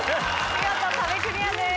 見事壁クリアです。